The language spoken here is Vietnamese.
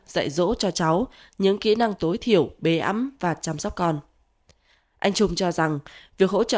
dạy dỗ cho cháu những kỹ năng tối thiểu bế ấm và chăm sóc con anh trung cho rằng việc hỗ trợ